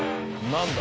何だ？